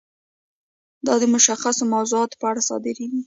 دا د مشخصو موضوعاتو په اړه صادریږي.